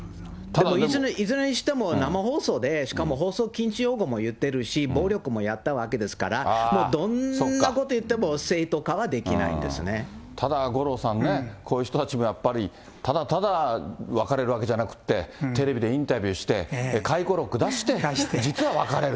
いずれにしても、生放送で、しかも放送禁止用語も言ってるし、暴力もやったわけですから、もうどんなこと言っても、正当化はできただ五郎さんね、こういう人たちもやっぱり、ただただ分かれるわけじゃなくて、テレビでインタビューして、回顧録出して、実は別れる。